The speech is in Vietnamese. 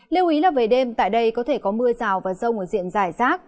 lưu ý là về đêm tại đây có thể có mưa rào và rông ở diện giải rác